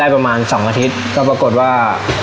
ปรากฏว่า